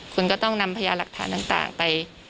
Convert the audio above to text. คุณก็ต้องนำพยาหลักฐานต่างไป